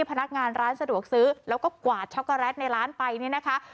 พนักงานร้านสะดวกซื้อแล้วก็กวาดช็อกโกแลตในร้านไปเนี่ยนะคะ